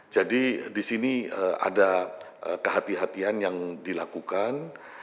jadi di sini ada kehati hatian yang dilakukan